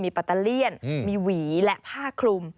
มีปาตะเลี่ยนมีหวีและผ้าคลุม